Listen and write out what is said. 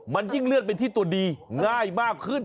มันยิ่งเลื่อนไปที่ตัวดีง่ายมากขึ้น